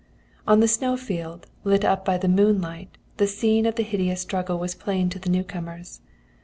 "On the snow field, lit up by the moonlight, the scene of the hideous struggle was plain to the newcomers.